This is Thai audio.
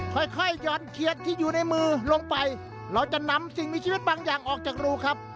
ค่อยค่อยห่อนเขียนที่อยู่ในมือลงไปเราจะนำสิ่งมีชีวิตบางอย่างออกจากรูครับ